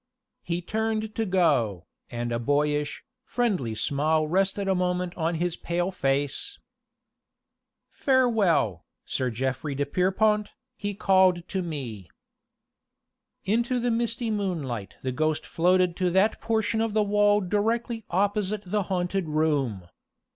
He turned to go, and a boyish, friendly smile rested a moment on his pale face. "Farewell, Sir Geoffray de Pierrepont," he called to me. Into the misty moonlight the ghost floated to that portion of the wall directly opposite the haunted room.